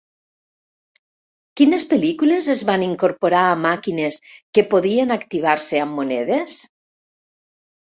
Quines pel·lícules es van incorporar a màquines que podien activar-se amb monedes?